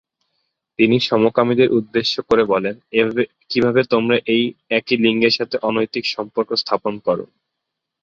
তিনি সমকামীদের উদ্দেশ্য করে বলেনঃ ‘কিভাবে তোমরা একই লিঙ্গের সাথে অনৈতিক সম্পর্ক স্থাপন করো?